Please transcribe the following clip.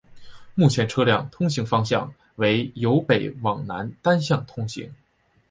目前车辆通行方向为由北往南单向通行。